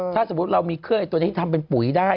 ถ้าสมมุติเรามีเครื่องตัวนี้ทำเป็นปุ๋ยได้